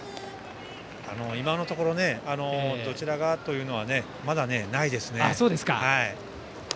今のところどちらがというのはまだないですね。